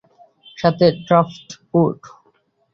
সাথে ড্রাফটউড।